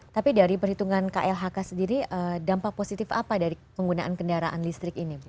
tapi dari perhitungan klhk sendiri dampak positif apa dari penggunaan kendaraan listrik ini bu